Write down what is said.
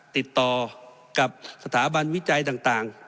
ติดต่อกับสถาบันวิจัยต่าง